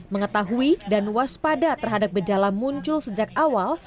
mengetahui dan waspada terhadap gejala muncul sejak awal